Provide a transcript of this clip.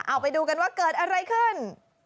เอาไปดูกันว่าเกิดอะไรขึ้น